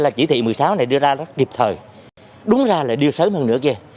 là nhiệm vụ mà công an thành phố đang nỗ lực triển khai